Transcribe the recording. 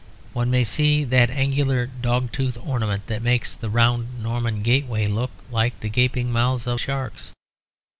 One may see that angular dogtooth ornament that makes the round Norman gateways look like the gaping mouths of sharks.